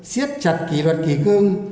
siết chặt kỷ luật kỷ cương